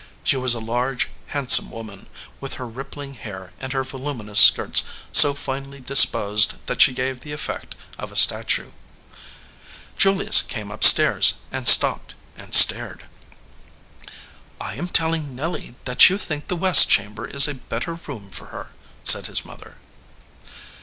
She was a large, handsome woman, with her rippling hair and her voluminous skirts so finely disposed that she gave the effect of a statue. Julius came up stairs, and stopped and stared. "I am telling Nelly that you think the west chamber is a better room for her," said his mother.